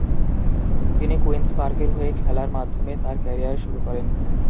তিনি কুইন্স পার্কের হয়ে খেলার মাধ্যমে তার ক্যারিয়ার শুরু করেন।